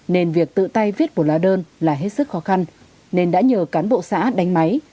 nên việc tự tay viết của lá đơn là hết sức khó khăn nên đã nhờ cán bộ xã đánh máy